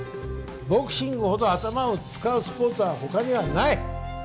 ボクシングほど頭を使うスポーツは他にはない！